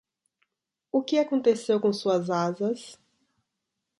O que aconteceu com suas asas?